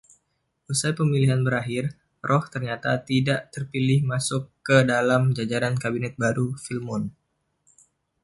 Usai pemilihan berakhir, Roch ternyata tidak terpilih masuk ke dalam jajaran kabinet baru Filmon.